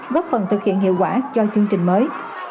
góp phần thực hiện hiệu quả cho chương trình mới